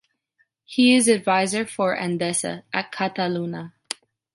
He is advisor for Endesa at Cataluña.